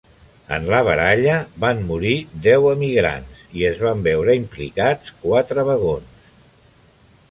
En la baralla van morir deu emigrants i es van veure implicats quatre vagons.